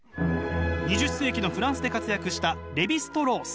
２０世紀のフランスで活躍したレヴィ＝ストロース。